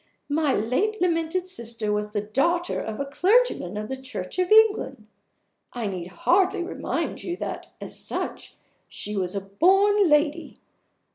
My late lamented sister was the daughter of a clergyman of the Church of England. I need hardly remind you that, as such, she was a born lady.